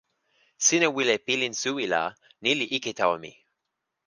sina wile pilin suwi la ni li ike tawa mi.